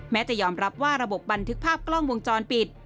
จะยอมรับว่าระบบบันทึกภาพกล้องวงจรปิด